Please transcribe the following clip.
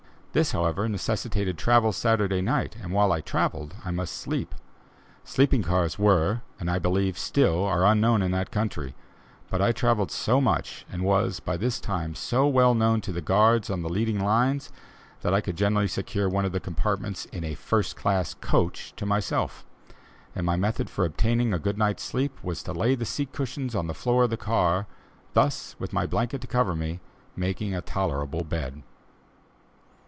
This, however, necessitated travel Saturday night, and while I travelled I must sleep. Sleeping cars were, and, I believe, still are unknown in that country; but I travelled so much, and was, by this time, so well known to the guards on the leading lines, that I could generally secure one of the compartments in a first class "coach" to myself, and my method for obtaining a good night's sleep, was to lay the seat cushions on the floor of the car, thus, with my blanket to cover me, making a tolerable bed.